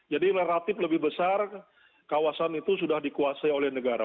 jadi relatif lebih besar kawasan itu sudah dikuasai oleh negara